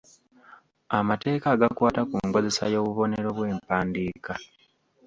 Amateeka agakwata ku nkozesa y’obubonero bw’empandiika.